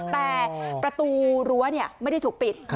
แต่ประตูรั้วไม่ได้ถูกปิด